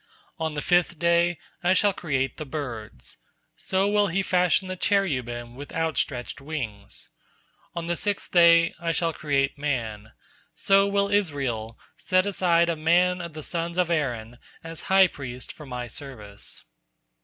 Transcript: On the fifth day, I shall create the birds; so will he fashion the cherubim with outstretched wings. On the sixth day, I shall create man; so will Israel set aside a man of the sons of Aaron as high priest for My service."